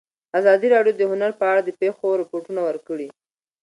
ازادي راډیو د هنر په اړه د پېښو رپوټونه ورکړي.